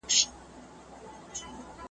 ستا د وعدې په توره شپه کي مرمه .